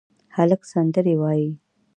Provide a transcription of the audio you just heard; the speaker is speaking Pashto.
هلک سندرې وايي